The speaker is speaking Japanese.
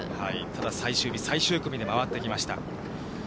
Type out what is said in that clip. ただ、最終日、最終組で回ってきました。